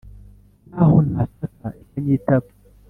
naho nataka ikanyitaba,